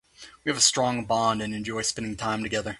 We have a strong bond and enjoy spending time together.